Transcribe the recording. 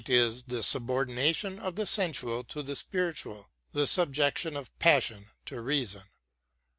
122 WORDSWORTH AS A TEACHER subordination of the sensual to the spiritual, the subjection of passion to reason.